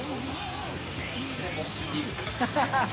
ハハハ